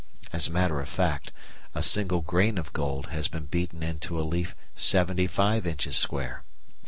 As a matter of fact, a single grain of gold has been beaten into a leaf seventy five inches square.